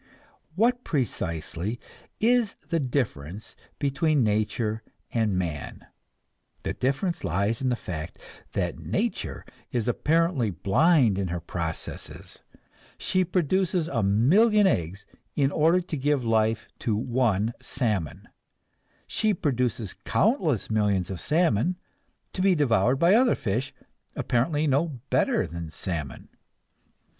What, precisely, is the difference between nature and man? The difference lies in the fact that nature is apparently blind in her processes; she produces a million eggs in order to give life to one salmon, she produces countless millions of salmon to be devoured by other fish apparently no better than salmon.